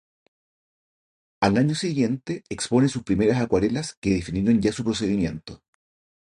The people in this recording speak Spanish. Al año siguiente expone sus primeras acuarelas que definieron ya su procedimiento.